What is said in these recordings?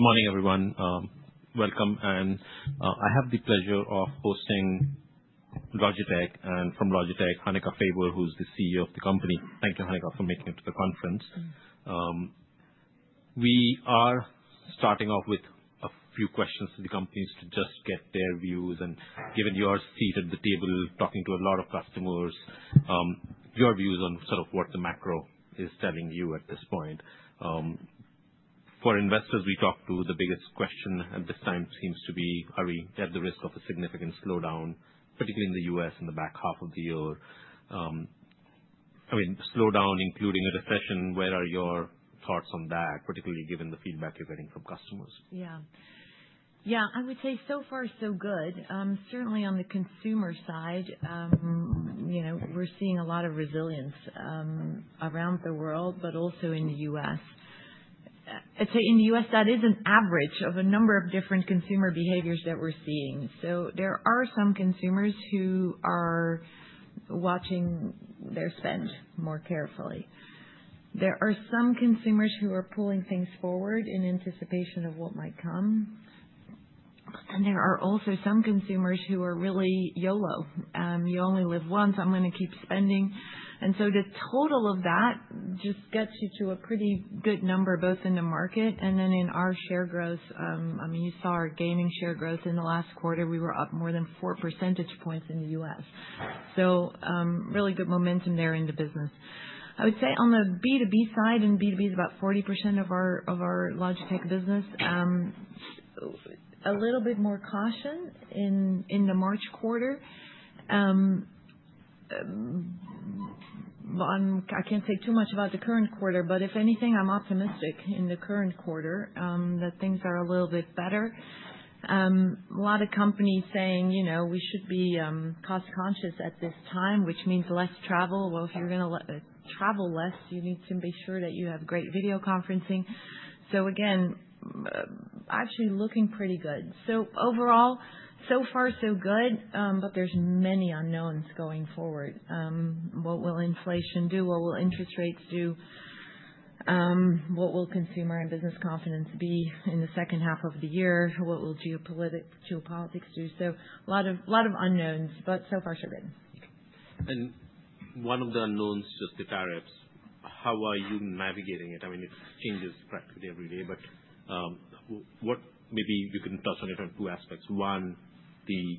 Good morning, everyone. Welcome. I have the pleasure of hosting Logitech, and from Logitech, Hanneke Faber, who's the CEO of the company. Thank you, Hanneke, for making it to the conference. We are starting off with a few questions to the companies to just get their views. Given your seat at the table, talking to a lot of customers, your views on sort of what the macro is telling you at this point. For investors we talk to, the biggest question at this time seems to be, are we at the risk of a significant slowdown, particularly in the U.S. in the back half of the year? I mean, slowdown including a recession. Where are your thoughts on that, particularly given the feedback you're getting from customers? Yeah. Yeah. I would say so far, so good. Certainly on the consumer side, we're seeing a lot of resilience around the world, but also in the U.S. I'd say in the U.S., that is an average of a number of different consumer behaviors that we're seeing. There are some consumers who are watching their spend more carefully. There are some consumers who are pulling things forward in anticipation of what might come. There are also some consumers who are really YOLO. You only live once. I'm going to keep spending. The total of that just gets you to a pretty good number, both in the market and then in our share growth. I mean, you saw our gaming share growth in the last quarter. We were up more than four percentage points in the U.S. Really good momentum there in the business. I would say on the B2B side, and B2B is about 40% of our Logitech business, a little bit more caution in the March quarter. I can't say too much about the current quarter, but if anything, I'm optimistic in the current quarter that things are a little bit better. A lot of companies saying we should be cost-conscious at this time, which means less travel. If you're going to travel less, you need to make sure that you have great video conferencing. Again, actually looking pretty good. Overall, so far, so good, but there's many unknowns going forward. What will inflation do? What will interest rates do? What will consumer and business confidence be in the second half of the year? What will geopolitics do? A lot of unknowns, but so far, so good. One of the unknowns is just tariffs. How are you navigating it? I mean, it changes practically every day, but maybe you can touch on it on two aspects. One, the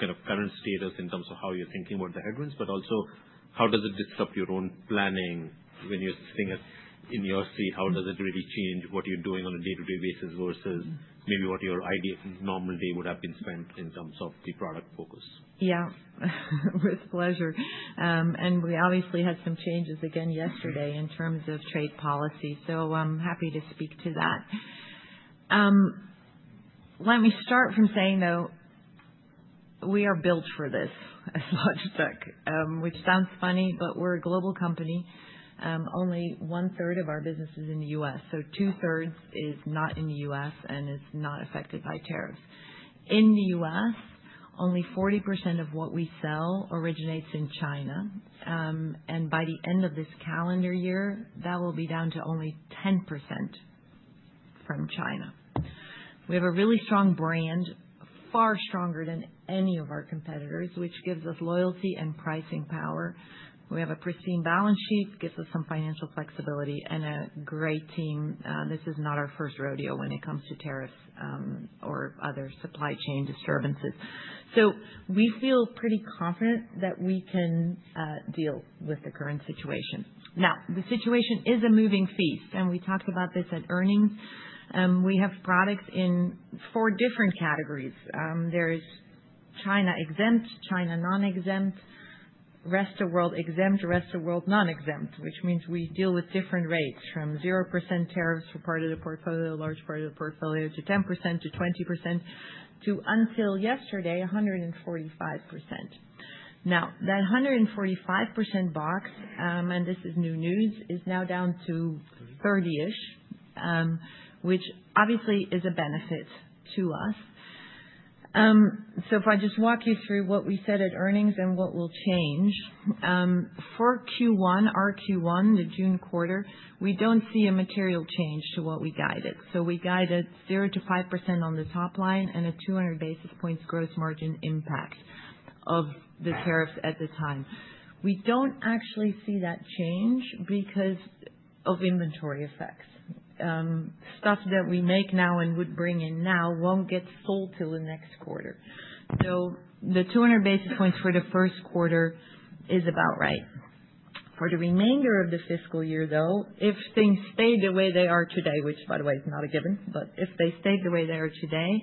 kind of current status in terms of how you're thinking about the headwinds, but also how does it disrupt your own planning when you're sitting in your seat? How does it really change what you're doing on a day-to-day basis versus maybe what your ideal normal day would have been spent in terms of the product focus? Yeah. With pleasure. We obviously had some changes again yesterday in terms of trade policy. I am happy to speak to that. Let me start from saying, though, we are built for this as Logitech, which sounds funny, but we are a global company. Only 1/3 of our business is in the U.S. Two-thirds is not in the U.S. and is not affected by tariffs. In the U.S., only 40% of what we sell originates in China. By the end of this calendar year, that will be down to only 10% from China. We have a really strong brand, far stronger than any of our competitors, which gives us loyalty and pricing power. We have a pristine balance sheet, gives us some financial flexibility, and a great team. This is not our first rodeo when it comes to tariffs or other supply chain disturbances. We feel pretty confident that we can deal with the current situation. Now, the situation is a moving feast, and we talked about this at earnings. We have products in four different categories. There is China exempt, China non-exempt, rest of world exempt, rest of world non-exempt, which means we deal with different rates from 0% tariffs for part of the portfolio, large part of the portfolio, to 10% to 20%, to until yesterday, 145%. Now, that 145% box, and this is new news, is now down to 30%-ish, which obviously is a benefit to us. If I just walk you through what we said at earnings and what will change, for Q1, our Q1, the June quarter, we do not see a material change to what we guided. We guided 0%-5% on the top line and a 200 basis points gross margin impact of the tariffs at the time. We do not actually see that change because of inventory effects. Stuff that we make now and would bring in now will not get sold till the next quarter. The 200 basis points for the first quarter is about right. For the remainder of the fiscal year, though, if things stay the way they are today, which, by the way, is not a given, but if they stay the way they are today,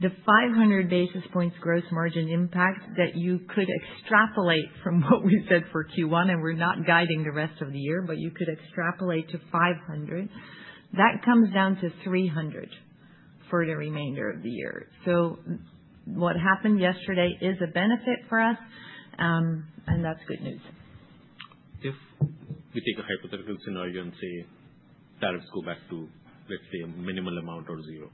the 500 basis points gross margin impact that you could extrapolate from what we said for Q1, and we are not guiding the rest of the year, but you could extrapolate to 500 basis points, that comes down to 300 basis points for the remainder of the year. What happened yesterday is a benefit for us, and that's good news. If we take a hypothetical scenario and say tariffs go back to, let's say, a minimal amount or zero,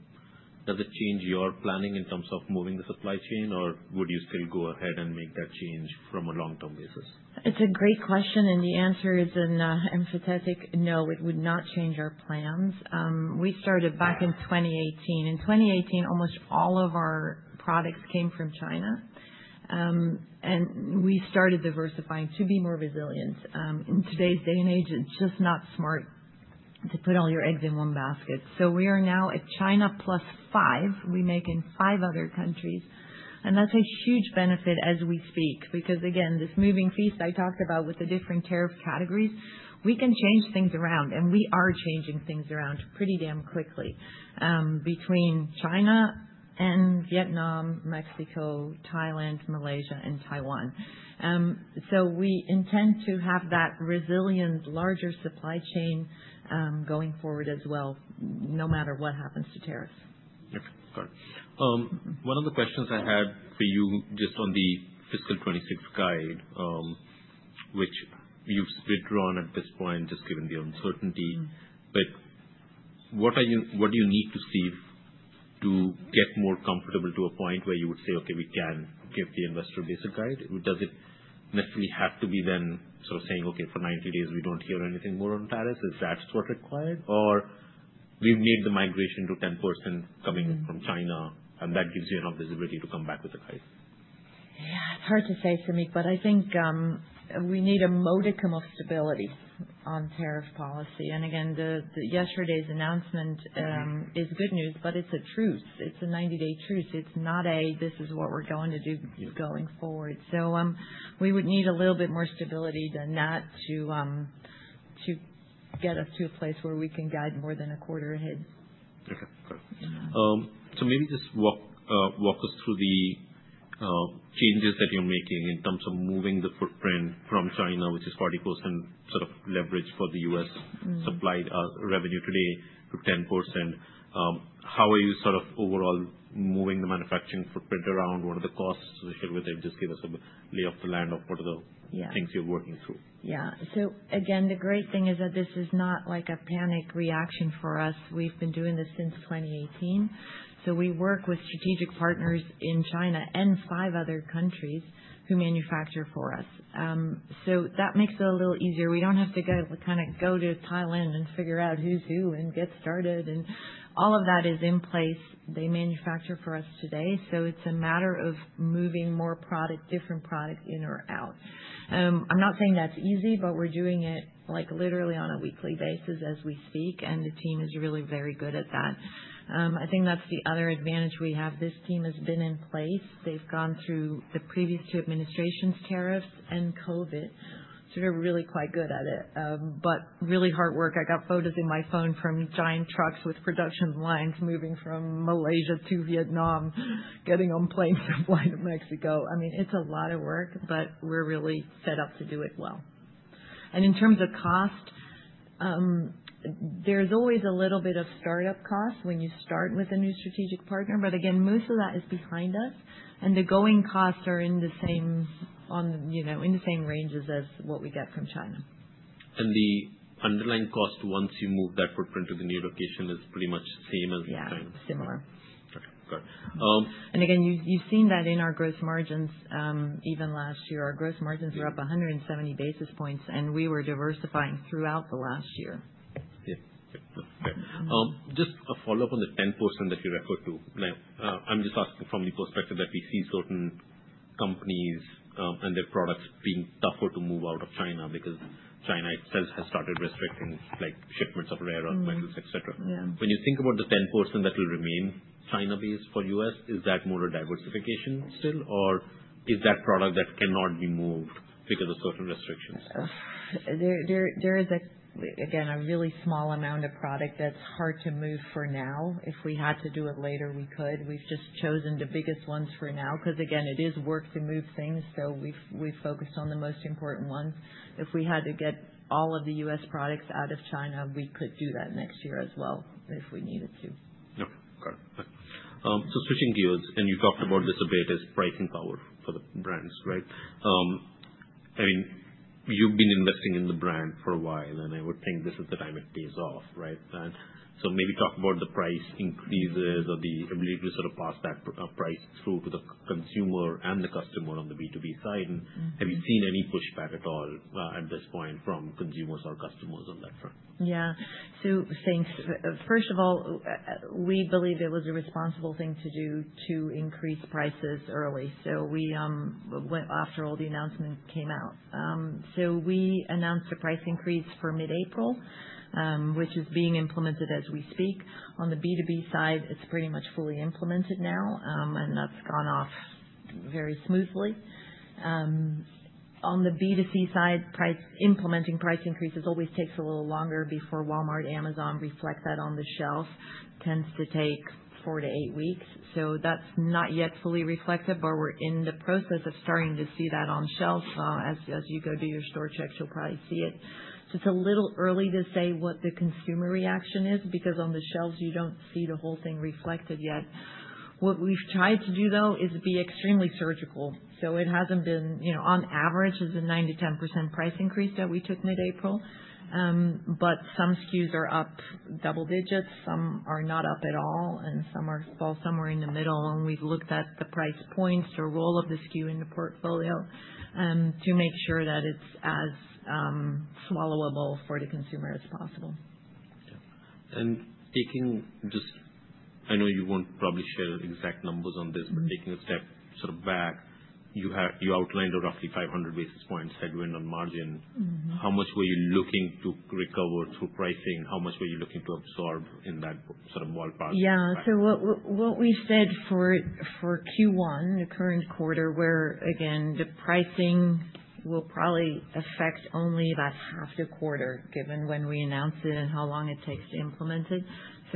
does it change your planning in terms of moving the supply chain, or would you still go ahead and make that change from a long-term basis? It's a great question, and the answer is an empathetic no. It would not change our plans. We started back in 2018. In 2018, almost all of our products came from China, and we started diversifying to be more resilient. In today's day and age, it's just not smart to put all your eggs in one basket. We are now at China plus five. We make in five other countries, and that's a huge benefit as we speak because, again, this moving feast I talked about with the different tariff categories, we can change things around, and we are changing things around pretty damn quickly between China and Vietnam, Mexico, Thailand, Malaysia, and Taiwan. We intend to have that resilient larger supply chain going forward as well, no matter what happens to tariffs. Okay. Got it. One of the questions I had for you just on the fiscal 2026 guide, which you've withdrawn at this point, just given the uncertainty, but what do you need to see to get more comfortable to a point where you would say, "Okay, we can give the investor a basic guide"? Does it necessarily have to be then sort of saying, "Okay, for 90 days, we don't hear anything more on tariffs"? Is that what's required? Or we've made the migration to 10% coming from China, and that gives you enough visibility to come back with a guide? Yeah. It's hard to say for me, but I think we need a modicum of stability on tariff policy. Yesterday's announcement is good news, but it's a truce. It's a 90-day truce. It's not a, "This is what we're going to do going forward." We would need a little bit more stability than that to get us to a place where we can guide more than a quarter ahead. Okay. Got it. Maybe just walk us through the changes that you're making in terms of moving the footprint from China, which is 40% sort of leverage for the U.S. supply revenue today, to 10%. How are you sort of overall moving the manufacturing footprint around? What are the costs associated with it? Just give us a lay of the land of what are the things you're working through. Yeah. So again, the great thing is that this is not like a panic reaction for us. We've been doing this since 2018. We work with strategic partners in China and five other countries who manufacture for us. That makes it a little easier. We do not have to kind of go to Thailand and figure out who's who and get started. All of that is in place. They manufacture for us today. It is a matter of moving more product, different product in or out. I'm not saying that's easy, but we're doing it literally on a weekly basis as we speak, and the team is really very good at that. I think that's the other advantage we have. This team has been in place. They've gone through the previous two administrations' tariffs and COVID. They're really quite good at it, but really hard work. I got photos in my phone from giant trucks with production lines moving from Malaysia to Vietnam, getting on planes to fly to Mexico. I mean, it's a lot of work, but we're really set up to do it well. In terms of cost, there's always a little bit of startup cost when you start with a new strategic partner, but again, most of that is behind us. The going costs are in the same ranges as what we get from China. Is the underlying cost once you move that footprint to the new location pretty much the same as the current? Yeah. Similar. Okay. Got it. You've seen that in our gross margins. Even last year, our gross margins were up 170 basis points, and we were diversifying throughout the last year. Yeah. Yeah. That's fair. Just a follow-up on the 10% that you referred to. Now, I'm just asking from the perspective that we see certain companies and their products being tougher to move out of China because China itself has started restricting shipments of rare earth metals, etc. When you think about the 10% that will remain China-based for U.S., is that more a diversification still, or is that product that cannot be moved because of certain restrictions? There is, again, a really small amount of product that's hard to move for now. If we had to do it later, we could. We've just chosen the biggest ones for now because, again, it is work to move things, so we've focused on the most important ones. If we had to get all of the U.S. products out of China, we could do that next year as well if we needed to. Okay. Got it. Switching gears, and you talked about this a bit as pricing power for the brands, right? I mean, you've been investing in the brand for a while, and I would think this is the time it pays off, right? Maybe talk about the price increases or the ability to sort of pass that price through to the consumer and the customer on the B2B side. Have you seen any pushback at all at this point from consumers or customers on that front? Yeah. Thanks. First of all, we believe it was a responsible thing to do to increase prices early. We went after all the announcement came out. We announced a price increase for mid-April, which is being implemented as we speak. On the B2B side, it is pretty much fully implemented now, and that has gone off very smoothly. On the B2C side, implementing price increases always takes a little longer before Walmart, Amazon reflect that on the shelf. It tends to take four to eight weeks. That is not yet fully reflected, but we are in the process of starting to see that on shelf. As you go do your store checks, you will probably see it. It is a little early to say what the consumer reaction is because on the shelves, you do not see the whole thing reflected yet. What we have tried to do, though, is be extremely surgical. It has been on average a 9%-10% price increase that we took mid-April, but some SKUs are up double digits, some are not up at all, and some fall somewhere in the middle. We have looked at the price points or role of the SKU in the portfolio to make sure that it is as swallowable for the consumer as possible. Yeah. Taking just I know you won't probably share exact numbers on this, but taking a step sort of back, you outlined a roughly 500 basis points headwind on margin. How much were you looking to recover through pricing? How much were you looking to absorb in that sort of ballpark? Yeah. What we said for Q1, the current quarter, where, again, the pricing will probably affect only about half the quarter given when we announced it and how long it takes to implement it.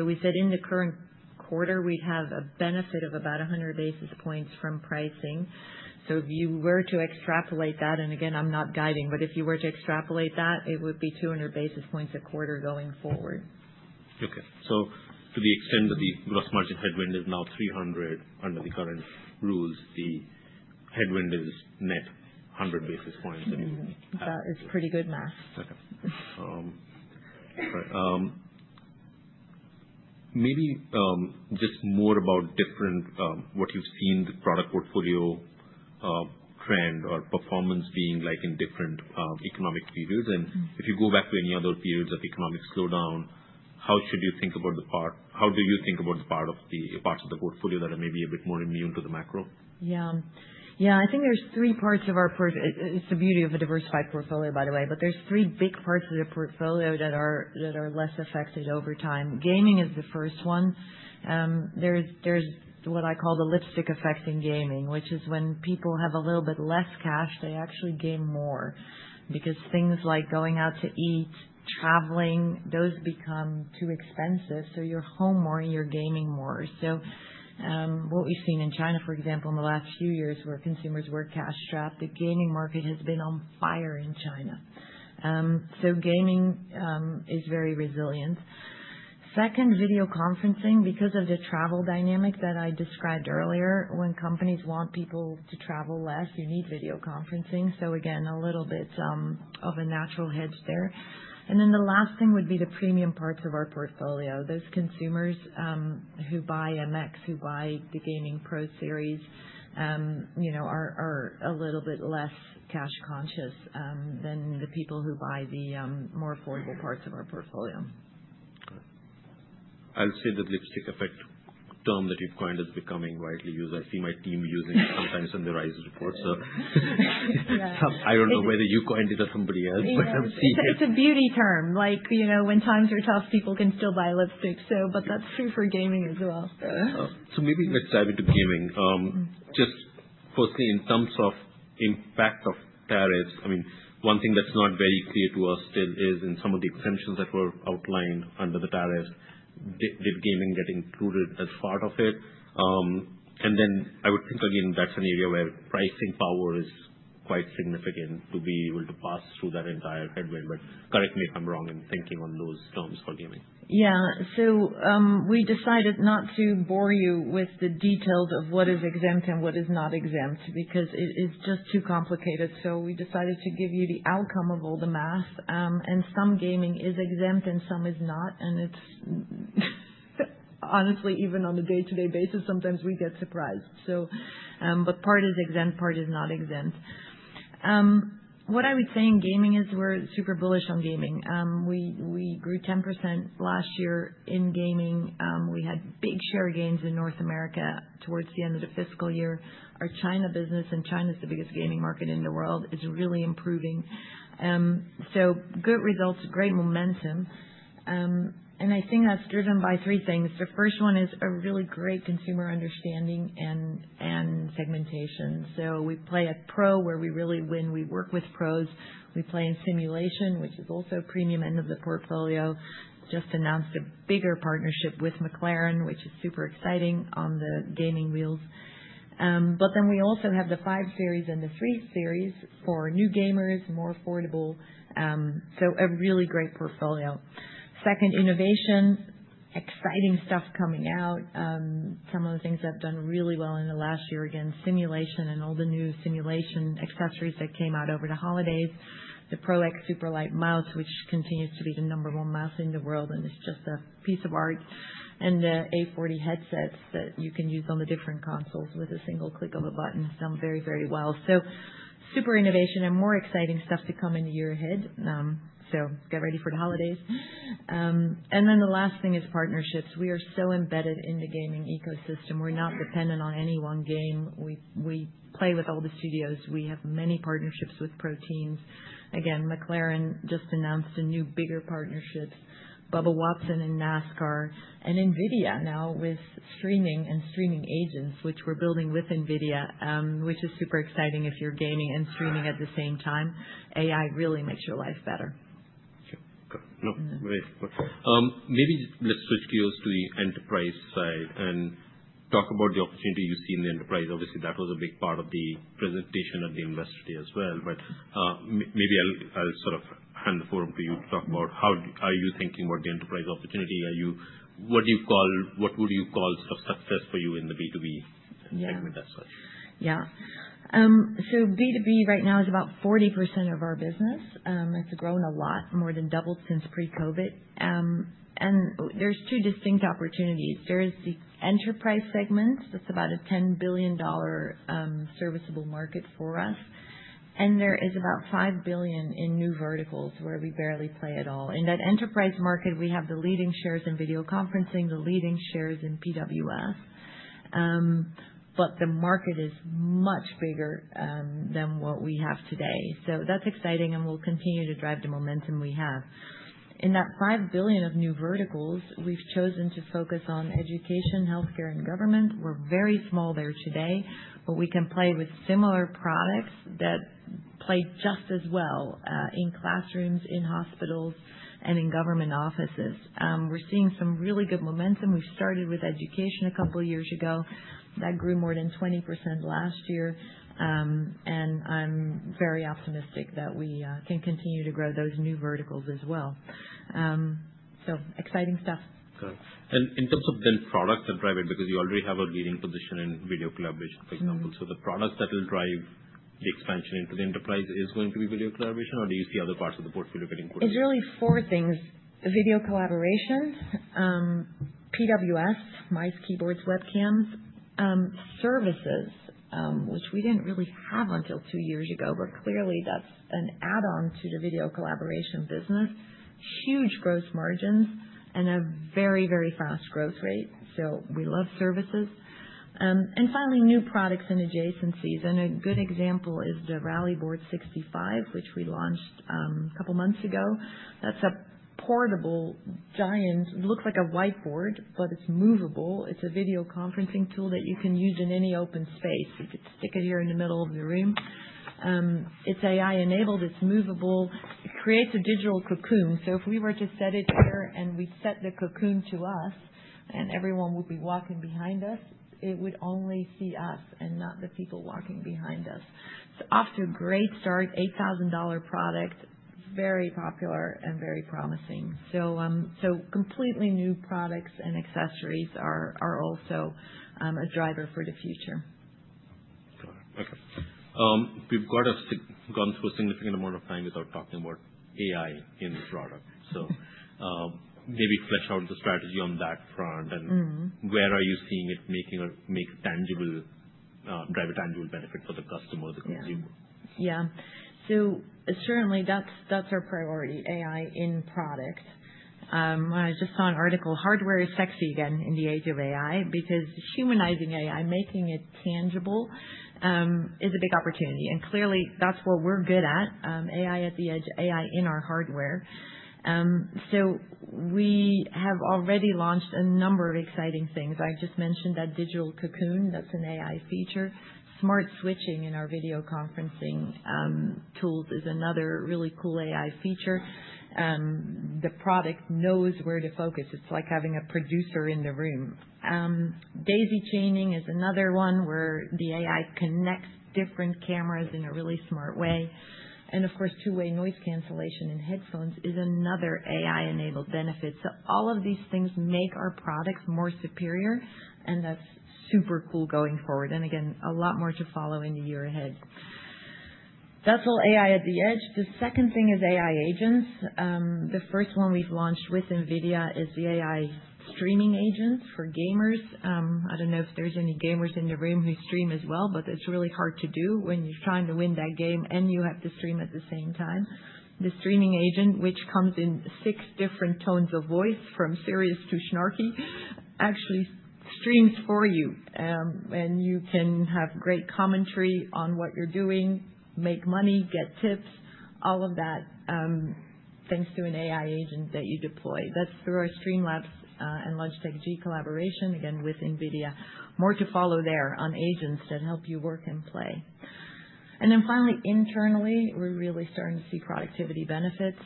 We said in the current quarter, we'd have a benefit of about 100 basis points from pricing. If you were to extrapolate that, and again, I'm not guiding, but if you were to extrapolate that, it would be 200 basis points a quarter going forward. Okay. To the extent that the gross margin headwind is now 300 under the current rules, the headwind is net 100 basis points. That is pretty good math. Okay. Maybe just more about what you've seen the product portfolio trend or performance being like in different economic periods. If you go back to any other periods of economic slowdown, how should you think about the part, how do you think about the parts of the portfolio that are maybe a bit more immune to the macro? Yeah. Yeah. I think there's three parts of our, it's the beauty of a diversified portfolio, by the way, but there's three big parts of the portfolio that are less affected over time. Gaming is the first one. There's what I call the lipstick effect in gaming, which is when people have a little bit less cash, they actually game more because things like going out to eat, traveling, those become too expensive. You are home more, you are gaming more. What we've seen in China, for example, in the last few years where consumers were cash-strapped, the gaming market has been on fire in China. Gaming is very resilient. Second, video conferencing because of the travel dynamic that I described earlier. When companies want people to travel less, you need video conferencing. Again, a little bit of a natural hedge there. The last thing would be the premium parts of our portfolio. Those consumers who buy MX, who buy the Gaming PRO Series, are a little bit less cash-conscious than the people who buy the more affordable parts of our portfolio. I'll say that lipstick effect term that you've coined is becoming widely used. I see my team using it sometimes in they write reports. I don't know whether you coined it or somebody else, but I've seen it. It's a beauty term. When times are tough, people can still buy lipsticks, but that's true for gaming as well. Maybe let's dive into gaming. Just firstly, in terms of impact of tariffs, I mean, one thing that's not very clear to us still is in some of the exemptions that were outlined under the tariffs, did gaming get included as part of it? I would think, again, that's an area where pricing power is quite significant to be able to pass through that entire headwind. Correct me if I'm wrong in thinking on those terms for gaming. Yeah. We decided not to bore you with the details of what is exempt and what is not exempt because it is just too complicated. We decided to give you the outcome of all the math. Some gaming is exempt and some is not. Honestly, even on a day-to-day basis, sometimes we get surprised. Part is exempt, part is not exempt. What I would say in gaming is we're super bullish on gaming. We grew 10% last year in gaming. We had big share gains in North America towards the end of the fiscal year. Our China business, and China is the biggest gaming market in the world, is really improving. Good results, great momentum. I think that's driven by three things. The first one is a really great consumer understanding and segmentation. We play at pro where we really win. We work with pros. We play in simulation, which is also premium end of the portfolio. Just announced a bigger partnership with McLaren, which is super exciting on the gaming wheels. Then we also have the 5 Series and the 3 Series for new gamers, more affordable. A really great portfolio. Second, innovation, exciting stuff coming out. Some of the things I've done really well in the last year, again, simulation and all the new simulation accessories that came out over the holidays, the PRO X SUPERLIGHT mouse, which continues to be the number one mouse in the world and is just a piece of art, and the A40 headsets that you can use on the different consoles with a single click of a button. Some very, very well. Super innovation and more exciting stuff to come in the year ahead. Get ready for the holidays. The last thing is partnerships. We are so embedded in the gaming ecosystem. We're not dependent on any one game. We play with all the studios. We have many partnerships with pro teams. McLaren just announced a new bigger partnership, Bubba Wallace and NASCAR, and NVIDIA now with streaming and streaming agents, which we're building with NVIDIA, which is super exciting if you're gaming and streaming at the same time. AI really makes your life better. Okay. Got it. No, great. Maybe let's switch gears to the enterprise side and talk about the opportunity you see in the enterprise. Obviously, that was a big part of the presentation at the Investor Day as well. Maybe I'll sort of hand the forum to you to talk about how are you thinking about the enterprise opportunity. What do you call, what would you call sort of success for you in the B2B segment as such? Yeah. B2B right now is about 40% of our business. It's grown a lot, more than doubled since pre-COVID. There are two distinct opportunities. There is the enterprise segment. That's about a $10 billion serviceable market for us. There is about $5 billion in new verticals where we barely play at all. In that enterprise market, we have the leading shares in video conferencing, the leading shares in PWS. The market is much bigger than what we have today. That's exciting, and we'll continue to drive the momentum we have. In that $5 billion of new verticals, we've chosen to focus on education, healthcare, and government. We're very small there today, but we can play with similar products that play just as well in classrooms, in hospitals, and in government offices. We're seeing some really good momentum. We started with education a couple of years ago. That grew more than 20% last year. I am very optimistic that we can continue to grow those new verticals as well. Exciting stuff. Got it. In terms of then products and driving, because you already have a leading position in video collaboration, for example. The products that will drive the expansion into the enterprise is going to be video collaboration, or do you see other parts of the portfolio getting pushed? It's really four things. Video collaboration, PWS, mice, keyboards, webcams, services, which we didn't really have until two years ago, but clearly that's an add-on to the video collaboration business, huge gross margins, and a very, very fast growth rate. We love services. Finally, new products and adjacencies. A good example is the Rally Board 65, which we launched a couple of months ago. That's a portable giant. It looks like a whiteboard, but it's movable. It's a video conferencing tool that you can use in any open space. You could stick it here in the middle of the room. It's AI-enabled. It's movable. It creates a digital cocoon. If we were to set it here and we'd set the cocoon to us and everyone would be walking behind us, it would only see us and not the people walking behind us. It's off to a great start, $8,000 product, very popular and very promising. Completely new products and accessories are also a driver for the future. Got it. Okay. We've gone through a significant amount of time without talking about AI in the product. Maybe flesh out the strategy on that front. Where are you seeing it make tangible, drive a tangible benefit for the customer, the consumer? Yeah. Certainly that's our priority, AI in product. I just saw an article. Hardware is sexy again in the age of AI because humanizing AI, making it tangible is a big opportunity. Clearly, that's what we're good at. AI at the edge, AI in our hardware. We have already launched a number of exciting things. I just mentioned that digital cocoon. That's an AI feature. Smart switching in our video conferencing tools is another really cool AI feature. The product knows where to focus. It's like having a producer in the room. Daisy chaining is another one where the AI connects different cameras in a really smart way. Of course, two-way noise cancellation in headphones is another AI-enabled benefit. All of these things make our products more superior, and that's super cool going forward. Again, a lot more to follow in the year ahead. That's all AI at the edge. The second thing is AI agents. The first one we've launched with NVIDIA is the AI streaming agent for gamers. I don't know if there's any gamers in the room who stream as well, but it's really hard to do when you're trying to win that game and you have to stream at the same time. The streaming agent, which comes in six different tones of voice from serious to snarky, actually streams for you. You can have great commentary on what you're doing, make money, get tips, all of that, thanks to an AI agent that you deploy. That's through our Streamlabs and Logitech G collaboration, again, with NVIDIA. More to follow there on agents that help you work and play. Finally, internally, we're really starting to see productivity benefits.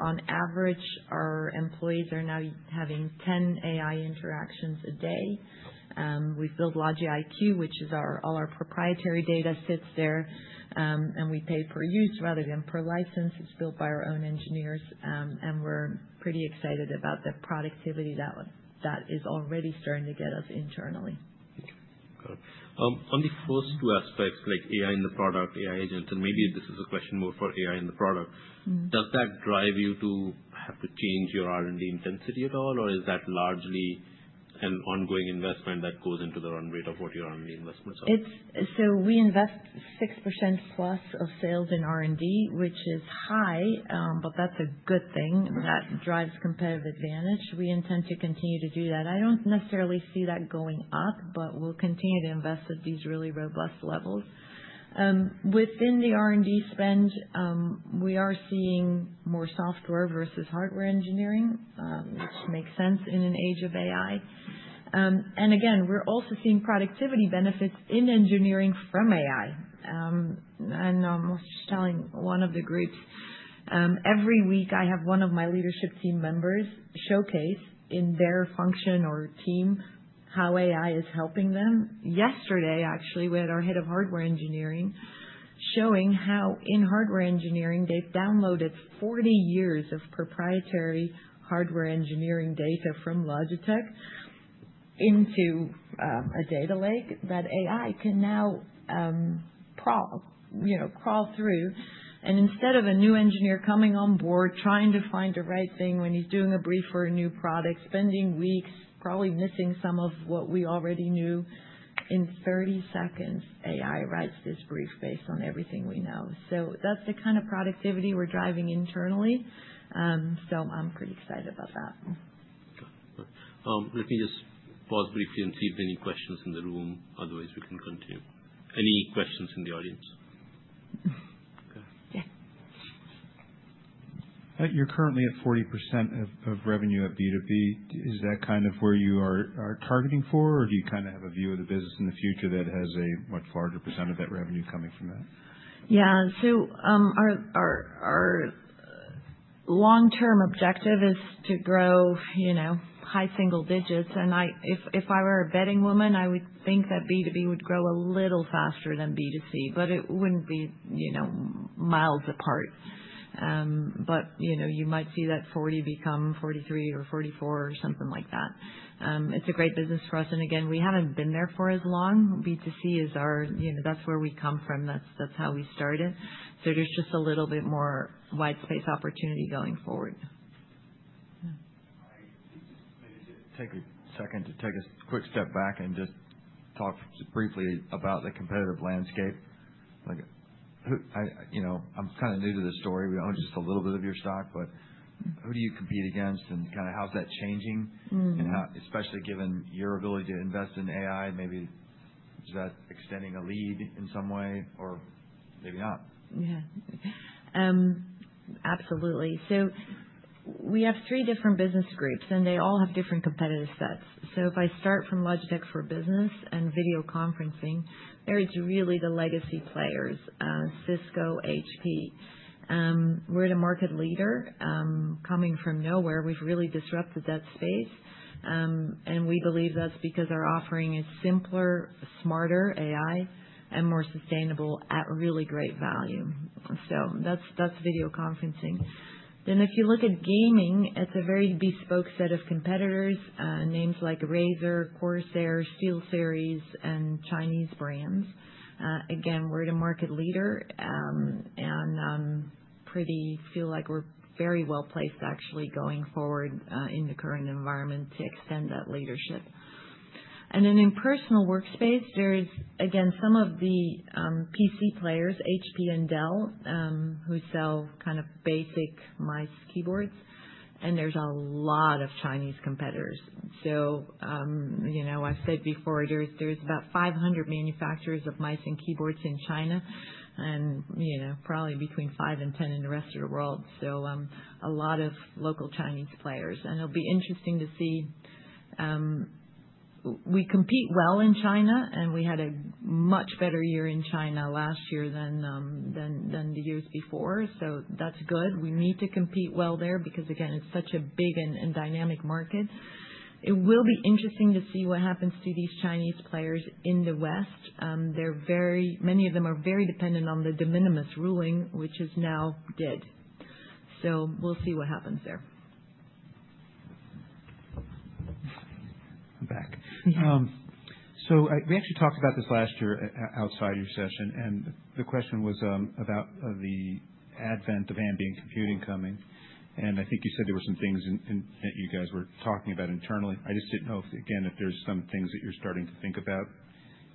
On average, our employees are now having 10 AI interactions a day. We've built Logi-IQ, which is all our proprietary data sits there. We pay per use rather than per license. It's built by our own engineers. We're pretty excited about the productivity that is already starting to get us internally. Okay. Got it. On the first two aspects, like AI in the product, AI agents, and maybe this is a question more for AI in the product, does that drive you to have to change your R&D intensity at all, or is that largely an ongoing investment that goes into the run rate of what your R&D investments are? We invest 6%+ of sales in R&D, which is high, but that's a good thing. That drives competitive advantage. We intend to continue to do that. I don't necessarily see that going up, but we'll continue to invest at these really robust levels. Within the R&D spend, we are seeing more software versus hardware engineering, which makes sense in an age of AI. Again, we're also seeing productivity benefits in engineering from AI. I'm just telling one of the groups, every week I have one of my leadership team members showcase in their function or team how AI is helping them. Yesterday, actually, we had our Head of Hardware Engineering showing how in hardware engineering, they've downloaded 40 years of proprietary hardware engineering data from Logitech into a data lake that AI can now crawl through. Instead of a new engineer coming on board, trying to find the right thing when he's doing a brief for a new product, spending weeks probably missing some of what we already knew, in 30 seconds, AI writes this brief based on everything we know. That is the kind of productivity we're driving internally. I'm pretty excited about that. Got it. Let me just pause briefly and see if there are any questions in the room. Otherwise, we can continue. Any questions in the audience? Okay. Yeah. You're currently at 40% of revenue at B2B. Is that kind of where you are targeting for, or do you kind of have a view of the business in the future that has a much larger percent of that revenue coming from that? Yeah. Our long-term objective is to grow high single digits. If I were a betting woman, I would think that B2B would grow a little faster than B2C, but it would not be miles apart. You might see that 40% become 43% or 44% or something like that. It is a great business for us. Again, we have not been there for as long. B2C is our, that is where we come from. That is how we started. There is just a little bit more widespread opportunity going forward. Maybe take a second to take a quick step back and just talk briefly about the competitive landscape. I'm kind of new to the story. We own just a little bit of your stock, but who do you compete against and kind of how's that changing? Especially given your ability to invest in AI, maybe is that extending a lead in some way or maybe not? Yeah. Absolutely. We have three different business groups, and they all have different competitive sets. If I start from Logitech for business and video conferencing, they're really the legacy players, Cisco, HP. We're the market leader coming from nowhere. We've really disrupted that space. We believe that's because our offering is simpler, smarter AI, and more sustainable at really great value. That's video conferencing. If you look at gaming, it's a very bespoke set of competitors, names like Razer, Corsair, SteelSeries, and Chinese brands. Again, we're the market leader and pretty feel like we're very well placed actually going forward in the current environment to extend that leadership. In personal workspace, there's again some of the PC players, HP and Dell, who sell kind of basic mice keyboards. There's a lot of Chinese competitors. I've said before, there's about 500 manufacturers of mice and keyboards in China and probably between five and 10 in the rest of the world. A lot of local Chinese players. It'll be interesting to see. We compete well in China, and we had a much better year in China last year than the years before. That's good. We need to compete well there because, again, it's such a big and dynamic market. It will be interesting to see what happens to these Chinese players in the West. Many of them are very dependent on the de minimis ruling, which is now dead. We'll see what happens there. I'm back. We actually talked about this last year outside your session. The question was about the advent of ambient computing coming. I think you said there were some things that you guys were talking about internally. I just didn't know, again, if there's some things that you're starting to think about.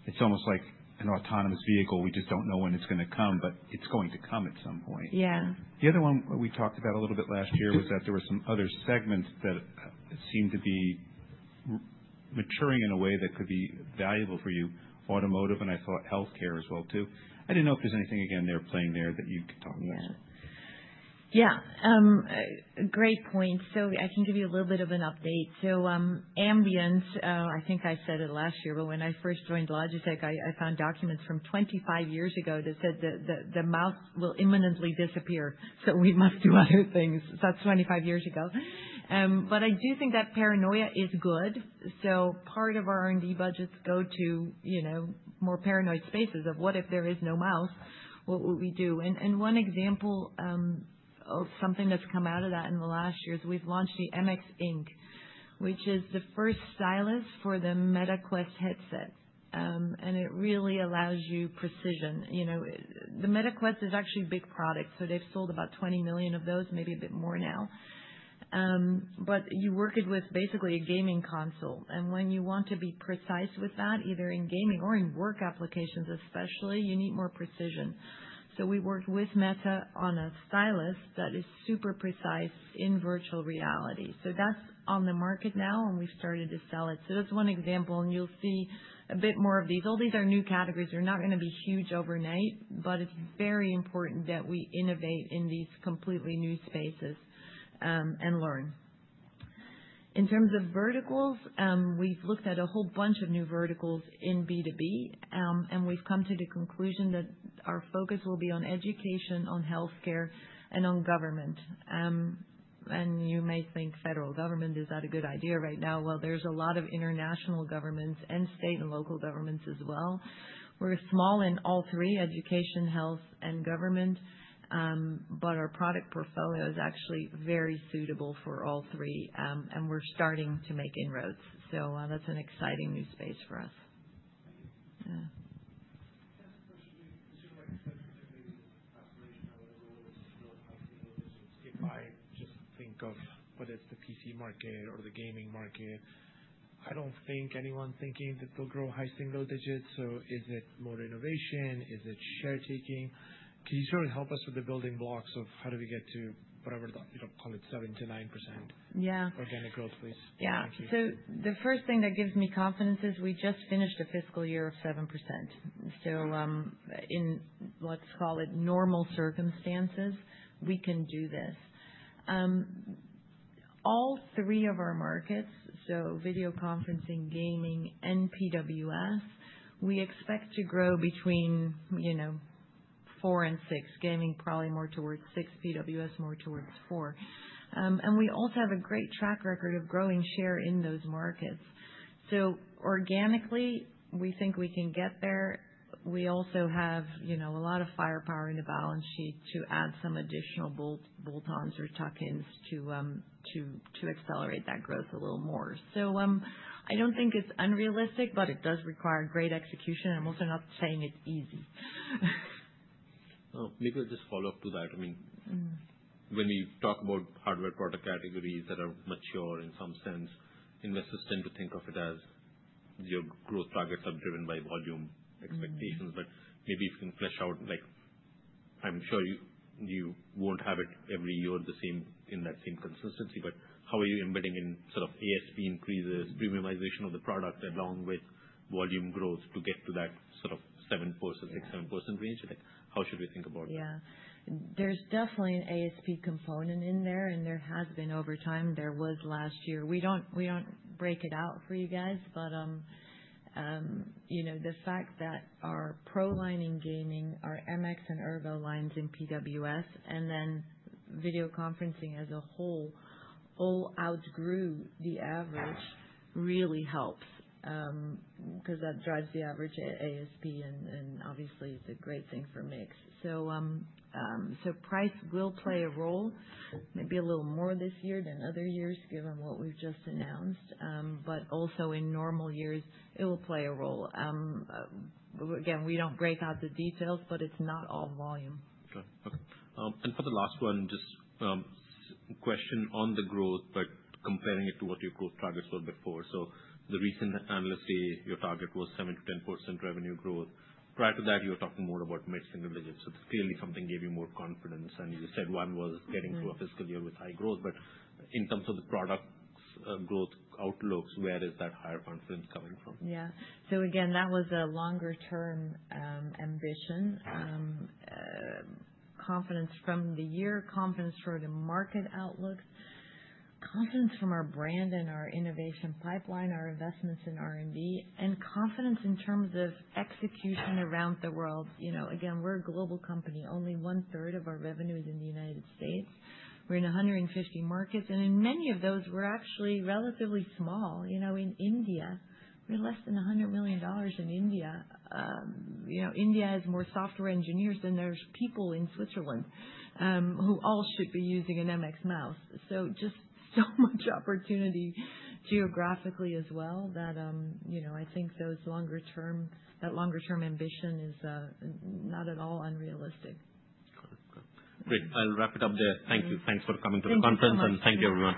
It's almost like an autonomous vehicle. We just don't know when it's going to come, but it's going to come at some point. Yeah. The other one we talked about a little bit last year was that there were some other segments that seemed to be maturing in a way that could be valuable for you, automotive, and I thought healthcare as well too. I did not know if there is anything again there playing there that you could talk about. Yeah. Great point. I can give you a little bit of an update. Ambience, I think I said it last year, but when I first joined Logitech, I found documents from 25 years ago that said that the mouse will imminently disappear. We must do other things. That is 25 years ago. I do think that paranoia is good. Part of our R&D budgets go to more paranoid spaces of what if there is no mouse, what would we do? One example of something that has come out of that in the last year is we have launched the MX Ink, which is the first stylus for the Meta Quest headset. It really allows you precision. The Meta Quest is actually a big product. They have sold about 20 million of those, maybe a bit more now. You work it with basically a gaming console. When you want to be precise with that, either in gaming or in work applications especially, you need more precision. We worked with Meta on a stylus that is super precise in virtual reality. That is on the market now, and we have started to sell it. That is one example. You will see a bit more of these. All these are new categories. They are not going to be huge overnight, but it is very important that we innovate in these completely new spaces and learn. In terms of verticals, we have looked at a whole bunch of new verticals in B2B, and we have come to the conclusion that our focus will be on education, on healthcare, and on government. You may think federal government, is that a good idea right now? There is a lot of international governments and state and local governments as well. We're small in all three, education, health, and government, but our product portfolio is actually very suitable for all three. We're starting to make inroads. That is an exciting new space for us. Yeah. high single digits. If I just think of whether it's the PC market or the gaming market, I don't think anyone's thinking that they'll grow high single digits. Is it more innovation? Is it share taking? Can you sort of help us with the building blocks of how do we get to whatever call it 7%-9% organic growth, please? Yeah. The first thing that gives me confidence is we just finished a fiscal year of 7%. In, let's call it, normal circumstances, we can do this. All three of our markets, so video conferencing, gaming, and PWS, we expect to grow between 4% and 6%, gaming probably more towards 6%, PWS more towards 4%. We also have a great track record of growing share in those markets. Organically, we think we can get there. We also have a lot of firepower in the balance sheet to add some additional bolt-ons or tuck-ins to accelerate that growth a little more. I do not think it is unrealistic, but it does require great execution. I am also not saying it is easy. Maybe I'll just follow up to that. I mean, when we talk about hardware product categories that are mature in some sense, investors tend to think of it as your growth targets are driven by volume expectations. But maybe if you can flesh out, I'm sure you won't have it every year in that same consistency, but how are you embedding in sort of ASP increases, premiumization of the product along with volume growth to get to that sort of 6%-7% range? How should we think about it? Yeah. There's definitely an ASP component in there, and there has been over time. There was last year. We do not break it out for you guys, but the fact that our PRO line in gaming, our MX and Ergo lines in PWS, and then video conferencing as a whole all outgrew the average really helps because that drives the average ASP and obviously is a great thing for mix. Price will play a role, maybe a little more this year than other years given what we have just announced, but also in normal years, it will play a role. Again, we do not break out the details, but it is not all volume. Okay. For the last one, just a question on the growth, but comparing it to what your growth targets were before. The recent analyst said your target was 7%-10% revenue growth. Prior to that, you were talking more about mid-single-digits. It is clearly something gave you more confidence. You said one was getting through a fiscal year with high growth, but in terms of the product growth outlooks, where is that higher confidence coming from? Yeah. Again, that was a longer-term ambition. Confidence from the year, confidence for the market outlooks, confidence from our brand and our innovation pipeline, our investments in R&D, and confidence in terms of execution around the world. Again, we're a global company. Only 1/3 of our revenue is in the United States. We're in 150 markets. In many of those, we're actually relatively small. In India, we're less than $100 million in India. India has more software engineers than there are people in Switzerland who all should be using an MX mouse. Just so much opportunity geographically as well that I think that longer-term ambition is not at all unrealistic. Got it. Great. I'll wrap it up there. Thank you. Thanks for coming to the conference, and thank you, everyone.